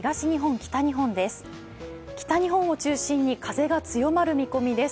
北日本を中心に風が強まる見込みです。